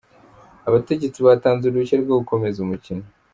Abategetsi batanze uruhushya rwo gukomeza umukino.